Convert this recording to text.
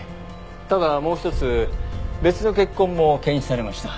ただもう一つ別の血痕も検出されました。